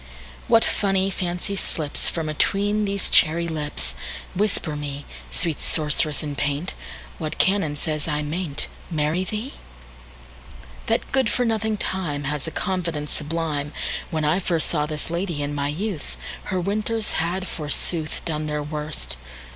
What funny fancy slipsFrom atween these cherry lips! Whisper me, Sweet sorceress in paint, What canon says I may n'tMarry thee? That good for nothing TimeHas a confidence sublime! When I firstSaw this lady, in my youth, Her winters had, forsooth, Done their worst.